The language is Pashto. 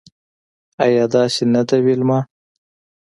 ایا داسې نده ویلما